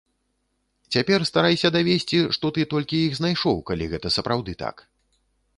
Цяпер старайся давесці, што ты толькі іх знайшоў, калі гэта сапраўды так.